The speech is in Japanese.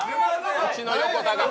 うちの横田が。